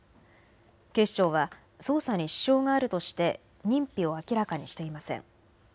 警視庁は捜査に支障があるとして認否を明らかにしていません。